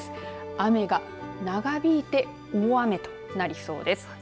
雨が長引いて大雨となりそうです。